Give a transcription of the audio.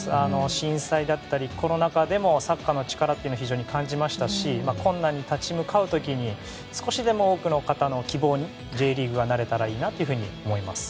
震災だったりコロナ禍でもサッカーの力を非常に感じましたし困難に立ち向かう時に少しでも多くの方の希望にＪリーグがなれたらいいなと思います。